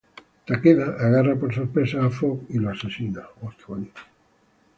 Takeda agarra por sorpresa a Fox y lo asesina.